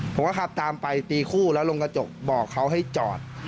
ผมก็ขับตามไปตีคู่แล้วลงกระจกบอกเขาให้จอด